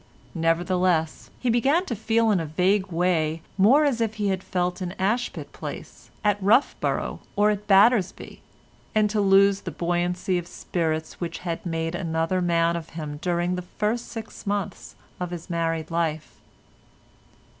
Nevertheless, he began to feel in a vague way more as he had felt in Ashpit Place, at Roughborough, or at Battersby, and to lose the buoyancy of spirits which had made another man of him during the first six months of his married life.